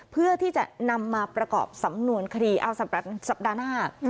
เพื่อที่จะนำมาประกอบสำนวนคดีเอาสัปดาห์หน้า